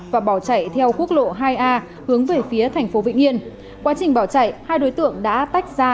và bỏ chạy theo quốc lộ hai a hướng về phía thành phố vĩnh yên quá trình bỏ chạy hai đối tượng đã tách ra